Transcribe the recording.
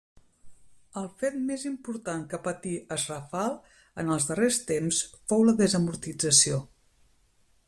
El fet més important que patí es Rafal en els darrers temps fou la desamortització.